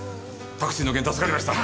タクシーの件助かりました。